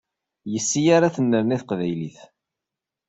Yes-i ara tennerni teqbaylit.